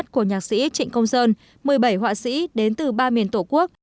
các nhà của nhạc sĩ trịnh công sơn một mươi bảy họa sĩ đến từ ba miền tổ quốc